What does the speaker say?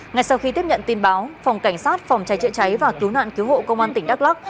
ngay sau khi tiếp nhận tin báo phòng cảnh sát phòng cháy chữa cháy và cứu nạn cứu hộ công an tỉnh đắk lắc